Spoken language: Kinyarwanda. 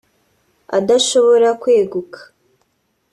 adashobora kweguka